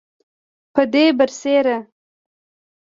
پدې برسیره